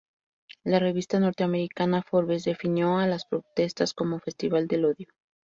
La revista norteamericana "Forbes" definió a las protestas como "festival del odio".